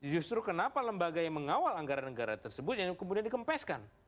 justru kenapa lembaga yang mengawal anggaran negara tersebut yang kemudian dikempeskan